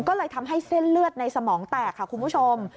ก็เลยทำให้เส้นเลือดในสมองแตกค่ะคุณผู้ชม